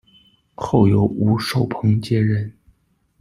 后由吴寿朋接任。